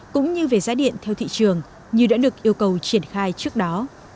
cũng như về giá điện theo thị trường như đã được yêu cầu triển khai trước đó